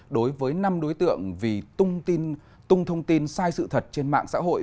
đối với năm đối tượng vì tung thông tin sai sự thật trên mạng xã hội